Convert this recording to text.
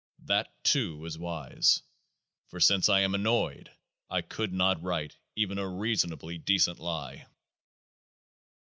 That, too, is wise ; for since I am annoyed, I could not write even a reasonably decent lie.